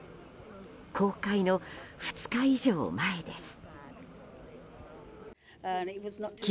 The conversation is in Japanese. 公開の２日以上前です。